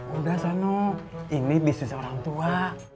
udah sono ini bisnis orang tua